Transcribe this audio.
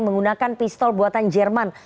menggunakan pistol buatan jerman